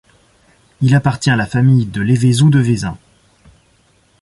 Il appartient à la famille de Lévézou de Vézins.